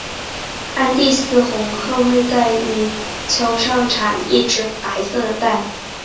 安第斯红鹳会在泥丘上产一只白色的蛋。